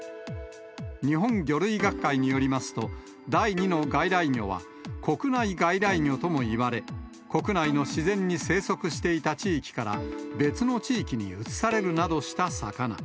日本魚類学会によりますと、第２の外来魚は国内外来魚ともいわれ、国内の自然に生息していた地域から、別の地域に移されるなどした魚。